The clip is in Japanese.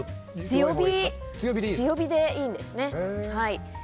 強火でいいんですね。